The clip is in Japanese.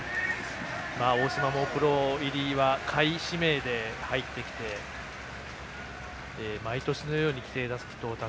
大島もプロ入りは下位指名で入って毎年のように規定打席到達。